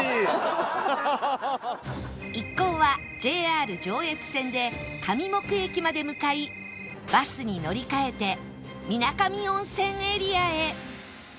一行は ＪＲ 上越線で上牧駅まで向かいバスに乗り換えて水上温泉エリアへ